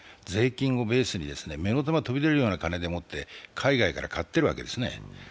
税金をベースに目の玉飛び出るような金でもって海外から買ってるわけですね。